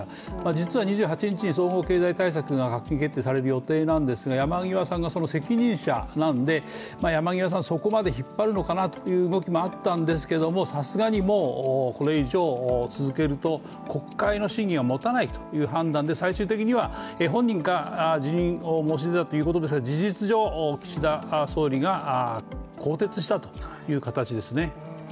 実は２８日に総合経済対策が閣議決定される予定なんですが山際さんが、その責任者なので、山際さん、そこまで引っ張るのかなという動きもあったんですけれどもさすがにもうこれ以上続けると国会の審議がもたないという判断で最終的には本人が辞任を申し出たということですが、事実上、岸田総理が更迭したという形ですね。